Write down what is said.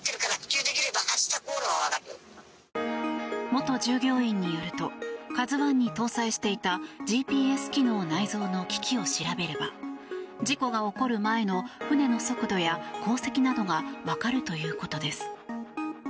元従業員によると「ＫＡＺＵ１」に搭載していたＧＰＳ機能内蔵の機器を調べれば事故が起こる前の船の速度や航跡などが分かるということです。